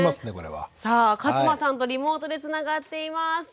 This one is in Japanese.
これは。さあ勝間さんとリモートでつながっています。